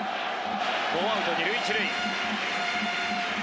ノーアウト二塁一塁。